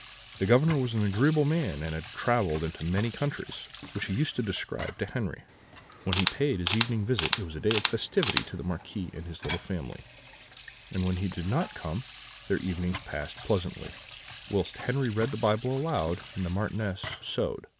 The Governor was an agreeable man, and had travelled into many countries, which he used to describe to Henri. When he paid his evening visit it was a day of festivity to the Marquis and his little family; and when he did not come, their evenings passed pleasantly, whilst Henri read the Bible aloud and the Marchioness sewed.